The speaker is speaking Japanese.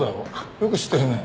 よく知ってるね。